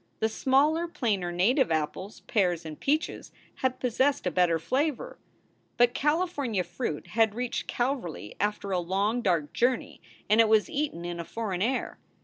The smaller, plainer native apples, pears, and peaches had possessed a better flavor. But California fruit had reached Calverly after a long, dark journey, and it was eaten in a foreign air.